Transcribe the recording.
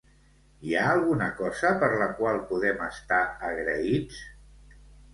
Hi ha alguna cosa per la qual podem estar agraïts?